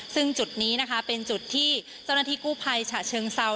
ซึ่งจุดนี้นะคะเป็นจุดที่เจ้าหน้าที่กู้ภัยฉะเชิงเซา